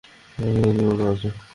আমার নিজের জীবন আছে।